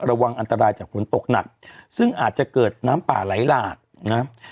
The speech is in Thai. ระวังอันตรายจากฝนตกหนักซึ่งอาจจะเกิดน้ำป่าไหลหลากนะครับ